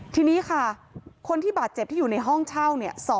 ทีนี้ค่ะคนที่บัตรเจ็บที่อยู่ในห้องเช่า๒